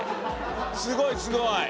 すごいすごい。